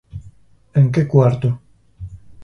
En que cuarto?